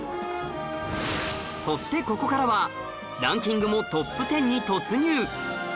そしてここからはランキングもトップ１０に突入